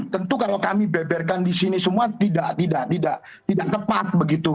tentu kalau kami beberkan di sini semua tidak tepat begitu